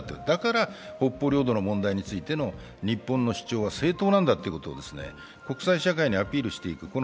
だから北方領土の問題についての日本の主張は正当なんだと、国際社会にアピールしていく